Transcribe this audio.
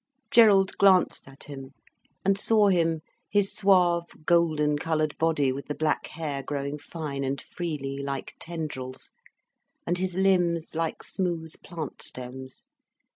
Gerald glanced at him, and saw him, his suave, golden coloured body with the black hair growing fine and freely, like tendrils, and his limbs like smooth plant stems.